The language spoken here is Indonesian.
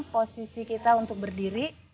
posisi kita untuk berdiri